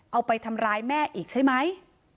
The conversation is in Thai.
เอาไปทำร้ายแม่อีกใช่ไหม